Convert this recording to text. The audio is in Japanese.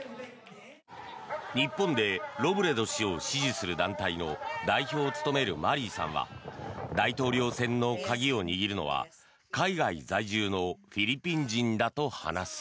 日本でロブレド氏を支持する団体の代表を務めるマリーさんは大統領選の鍵を握るのは海外在住のフィリピン人だと話す。